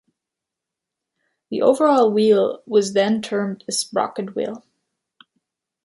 The overall wheel was then termed a 'sprocket wheel'.